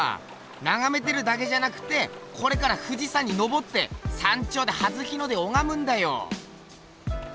ながめてるだけじゃなくてこれから富士山に登って山頂で初日の出おがむんだよ。え！